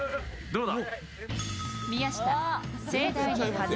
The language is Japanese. どうだ。